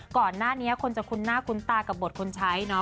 ก่อนหน้านี้คนจะคุ้นหน้าคุ้นตากับบทคนใช้เนาะ